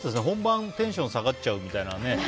本番、テンション下がっちゃうみたいなね。